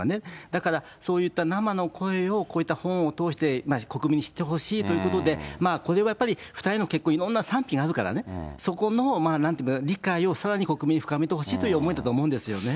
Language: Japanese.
だから、そういった生の声をこういった本を通して国民に知ってほしいということで、これはやっぱり、２人の結婚、いろんな賛否があるからね、そこのなんて言うか、理解をさらに国民に深めてほしいという思いだと思うんですよね。